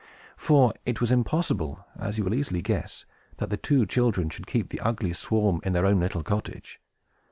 For it was impossible, as you will easily guess, that the two children should keep the ugly swarm in their own little cottage.